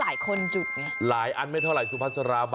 อ้าวนอบจะมีการจุดประทัดแล้ว